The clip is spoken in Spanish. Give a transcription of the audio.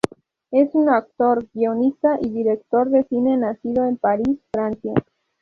Es un actor, guionista y director de cine nacido en Paris, Francia.